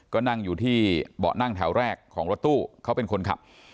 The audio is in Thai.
ก็นั่งอยู่ที่เบาะนั่งแถวแรกของรถตู้เขาเป็นคนขับ